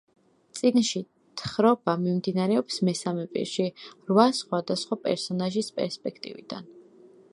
წიგნში თხრობა მიმდინარეობს მესამე პირში, რვა სხვადასხვა პერსონაჟის პერსპექტივიდან.